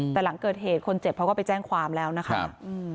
แต่หลังเกิดเหตุคนเจ็บเขาก็ไปแจ้งความแล้วนะคะ